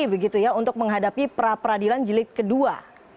begitu ya untuk menghadapi pra peradilan jilid kedua